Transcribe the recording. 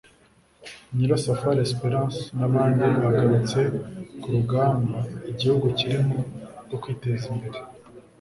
Nyirasafari Espérance n’abandi bagarutse ku rugamba igihugu kirimo rwo kwiteza imbere